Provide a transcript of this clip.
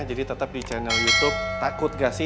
jadi tetap di channel youtube takut gak si